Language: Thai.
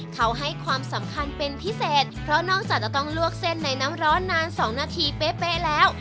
เขาให้ความสำคัญเป็นพิเศษเพราะนอกจากจะต้องลวกเส้นในน้ำร้อนนาน๒นาทีเป๊ะแล้ว